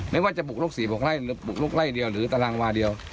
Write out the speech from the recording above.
ไม่ว่าจะปลูกลูกสี่ปลูกไร่หรือปลูกลูกไร่เดียวหรือตารางวาเดียว